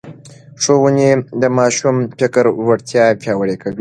ښوونې د ماشوم فکري وړتیا پياوړې کوي.